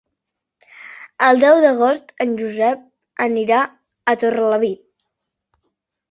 El deu d'agost en Josep anirà a Torrelavit.